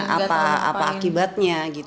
apa akibatnya gitu